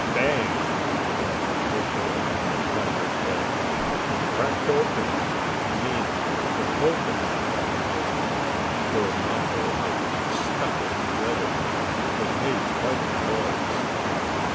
"Bang!" went the cocoanut on the tiger's head. It cracked open I mean the cocoanut cracked open where Mappo had stuck it together. It made quite a noise.